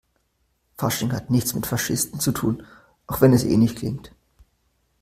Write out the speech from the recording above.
Fasching hat nichts mit Faschisten zu tun, auch wenn es ähnlich klingt.